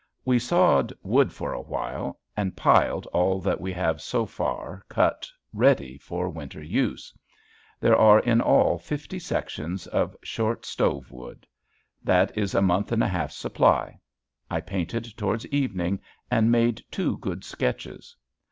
We sawed wood for a while and piled all that we have so far cut ready for winter use. There are in all fifty sections of short stove wood. That is a month and a half's supply. I painted towards evening, and made two good sketches.